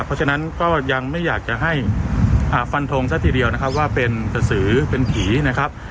เพราะฉะนั้นก็ยังไม่อยากจะให้ฟันทงซะทีเดียวนะครับว่าเป็นกระสือเป็นผีนะครับ